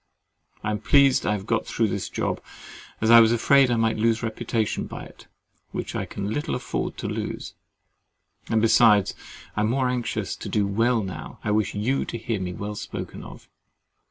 I am pleased I have got through this job, as I was afraid I might lose reputation by it (which I can little afford to lose)—and besides, I am more anxious to do well now, as I wish you to hear me well spoken of.